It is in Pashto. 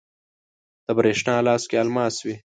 د بریښنا لاس کې الماس وی